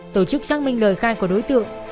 tổ chức xác minh lời khai của đối tượng